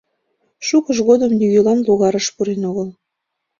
Шукыж годым нигӧн логарыш пурен огыл.